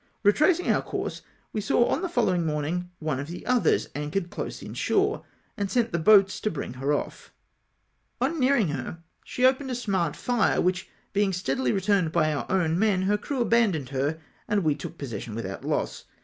Eetracing our course, we saw on the followino; mornino; one of the others anchored close in shore, and sent the boats to bring her off. On Hearing her she opened a smart fire, which being steadily returned by our men, her crew abandoned her, and we took possession without loss.